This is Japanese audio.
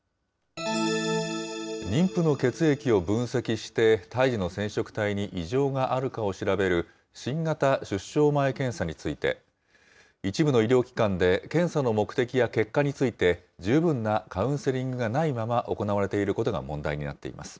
妊婦の血液を分析して胎児の染色体に異常があるかを調べる、新型出生前検査について、一部の医療機関で検査の目的や結果について十分なカウンセリングがないまま行われていることが問題になっています。